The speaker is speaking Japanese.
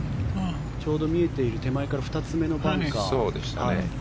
ちょうど見えている手前から２つ目のバンカー。